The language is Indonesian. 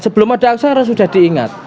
sebelum ada aksara sudah diingat